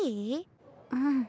うん。